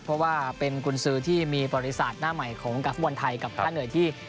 เพราะว่าเป็นกุญสือที่มีบริษัทหน้าใหม่ของกราฟบอลไทยกับท่านเหนื่อยที่